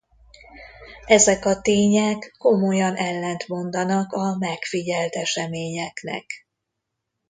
Ezek a tények komolyan ellentmondanak a megfigyelt eseményeknek.